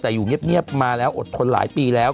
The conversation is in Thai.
แต่อยู่เงียบมาแล้วอดทนหลายปีแล้ว